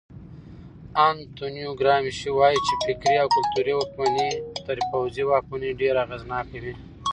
انتونیو ګرامشي وایي چې فکري او کلتوري واکمني تر پوځي واکمنۍ ډېره اغېزناکه وي.